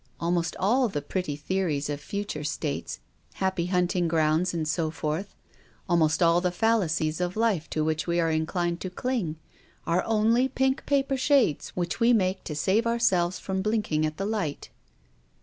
Almost all the pretty theo ries of future states, happy hunting grounds, and so forth, almost all the fallacies of life to which we are inclined to cling, are only pink paper shades which we make to save ourselves from blinking at the light."